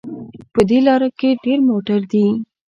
په دې لاره کې ډېر موټر دي